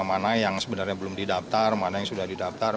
mana yang sebenarnya belum didaftar mana yang sudah didaftar